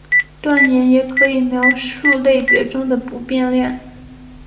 断言也可以描述类别中的不变量。